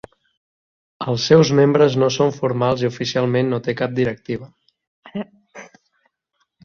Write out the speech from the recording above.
Els seus membres no són formals i oficialment no té cap directiva.